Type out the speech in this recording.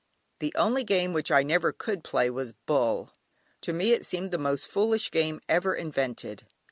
The one game which I never could play was "Bull." To me it seemed the most foolish game ever invented.